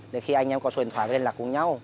đến khi anh em có số điện thoại và liên lạc cùng nhau